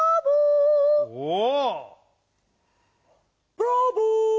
ブラボー。